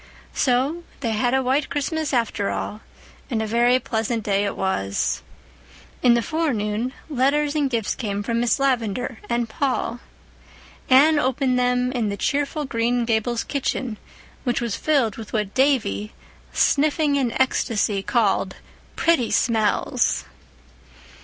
So they had a white Christmas after all, and a very pleasant day it was. In the forenoon letters and gifts came from Miss Lavendar and Paul; Anne opened them in the cheerful Green Gables kitchen, which was filled with what Davy, sniffing in ecstasy, called "pretty smells."